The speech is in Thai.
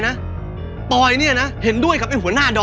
ก็บอกแล้วไม่ต้องไปตามหามันไง